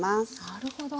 なるほど。